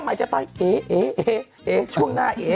หมายจากตั้งเอ๊ช่วงหน้าเอ๊